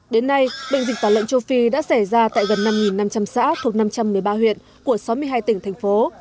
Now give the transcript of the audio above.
đến nay bệnh dịch tả lợn châu phi đã xảy ra tại gần năm năm trăm linh xã thuộc năm trăm một mươi ba huyện của sáu mươi hai tỉnh thành phố